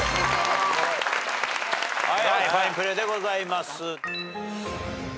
ファインプレーでございます。